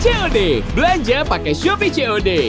yuk belanja pakai shopee cod